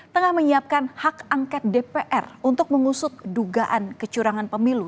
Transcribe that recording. tengah menyiapkan hak angket dpr untuk mengusut dugaan kecurangan pemilu dua ribu dua puluh empat